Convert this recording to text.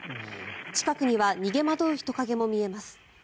近くには逃げ惑う人影も見えます。